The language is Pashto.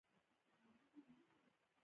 دا د سیریلیون سیلکشن ټرست په نامه وو.